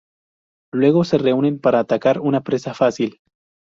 Luego se reúnen para atacar una presa fácil.